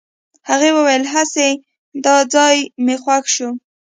هغې وويل هسې دا ځای مې خوښ شو.